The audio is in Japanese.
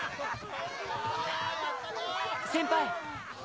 先輩。